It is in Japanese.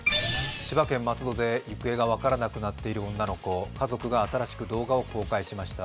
千葉県松戸市で行方が分からなくなっている女の子、家族が新しく動画を公開しました。